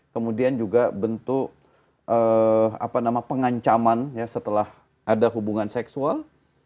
kemudian juga bentuk pengancaman setelah ada hubungan seksual